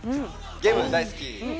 ゲームが大好き。